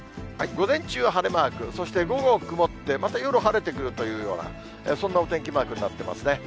午前中は晴れマーク、そして午後、曇って、また夜晴れてくるというような、そんなお天気マークになってますね。